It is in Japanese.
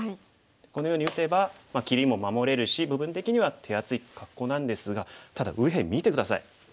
このように打てば切りも守れるし部分的には手厚い格好なんですがただ右辺見て下さい。